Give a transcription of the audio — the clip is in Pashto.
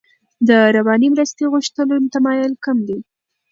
د رواني مرستې غوښتلو تمایل کم دی.